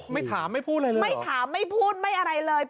ไม่ถามไม่พูดเลย